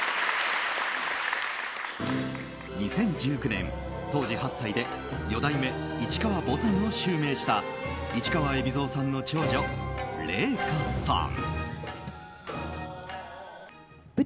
２０１９年、当時８歳で四代目市川ぼたんを襲名した市川海老蔵さんの長女・麗禾さん。